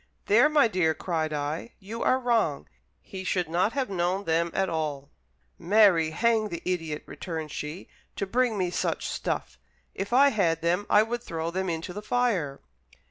"There, my dear," cried I, "you are wrong; he should not have known them at all." "Marry, hang the idiot," returned she, "to bring me such stuff; if I had them, I would throw them into the fire."